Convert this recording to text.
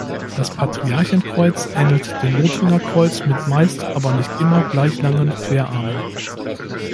Das Patriarchenkreuz ähnelt dem Lothringer Kreuz mit meist, aber nicht immer gleich langen Querarmen.